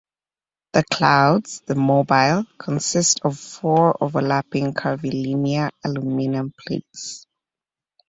The clouds-- the mobile-- consist of four overlapping, curvilinear aluminum plates.